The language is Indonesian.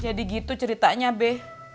jadi gitu ceritanya be